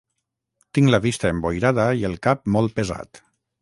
Tinc la vista emboirada i el cap molt pesat.